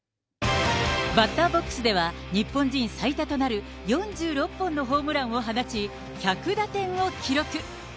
バッターボックスでは、日本人最多となる４６本のホームランを放ち、１００打点を記録。